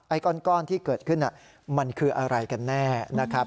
ก้อนที่เกิดขึ้นมันคืออะไรกันแน่นะครับ